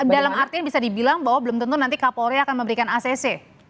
dalam artian bisa dibilang bahwa belum tentu nanti kapolri akan memberikan acc